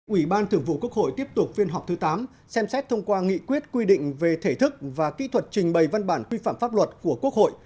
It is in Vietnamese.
ủy ban thường vụ quốc hội tiếp tục phiên họp thứ tám xem xét thông qua nghị quyết quy định về thể thức và kỹ thuật trình bày văn bản quy phạm pháp luật của quốc hội